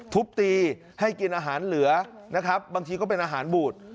ทุบตีให้กินอาหารเหลือนะครับบางทีก็เป็นอาหารบูด